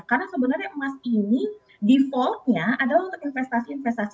karena sebenarnya emas ini defaultnya adalah untuk investasi investasi